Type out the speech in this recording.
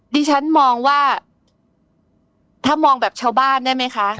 ดิฉันมองว่าถ้ามองแบบชาวบ้านได้ไหมคะ